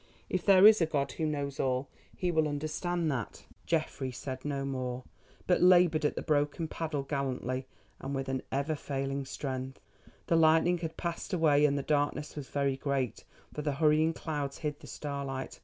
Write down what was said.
If there is a God who knows all, He will understand that." Geoffrey said no more, but laboured at the broken paddle gallantly and with an ever failing strength. The lightning had passed away and the darkness was very great, for the hurrying clouds hid the starlight.